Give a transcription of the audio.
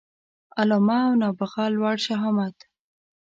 علامه او نابغه لوړ شهامت